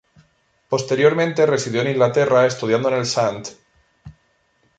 Posteriormente residió en Inglaterra estudiando en el St.